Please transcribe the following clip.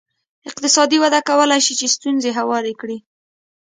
اقتصادي وده کولای شي چې ستونزې هوارې کړي.